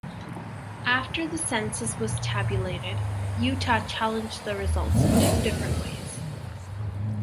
After the census was tabulated, Utah challenged the results in two different ways.